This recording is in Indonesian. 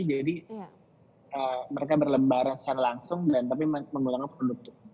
jadi mereka berlebaran secara langsung tapi menggunakan produk tuku